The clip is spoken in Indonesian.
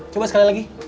coba sekali lagi